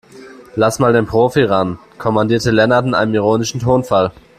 Lass mal den Profi ran, kommandierte Lennart in einem ironischen Tonfall.